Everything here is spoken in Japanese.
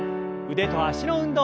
腕と脚の運動。